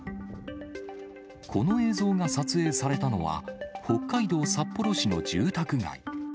この映像が撮影されたのは、北海道札幌市の住宅街。